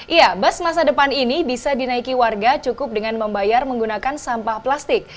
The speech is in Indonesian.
iya bus masa depan ini bisa dinaiki warga cukup dengan membayar menggunakan sampah plastik